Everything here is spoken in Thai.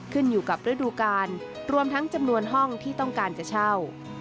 ขึ้นอยู่กับฤดูการรวมทั้งจำนวนห้องที่ต้องการจะเช่า